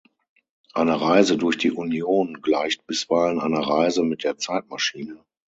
Eine Reise durch die Union gleicht bisweilen einer Reise mit der Zeitmaschine.